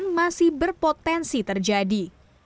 namun masih berpotensi terjadi